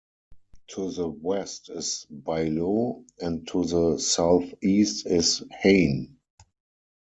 To the west is Baillaud and to the southeast is Hayn.